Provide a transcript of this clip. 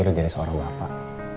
lu jadi seorang bapak